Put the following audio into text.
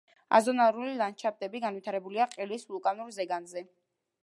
აზონალური ლანდშაფტები განვითარებულია ყელის ვულკანურ ზეგანზე.